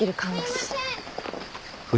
・すいません！